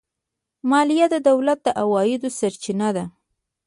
مالیه د دولت د عوایدو سرچینه ده.